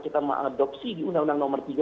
kita mengadopsi di undang undang nomor tiga